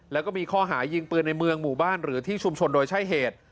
แล้วก็มีข้อหายิงปืนในเมืองหมู่บ้านหรือที่ชุมชนโดยใช่เหตุ